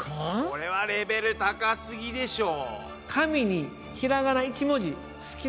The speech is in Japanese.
これはレベル高すぎでしょ。